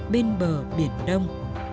bên bờ biển đông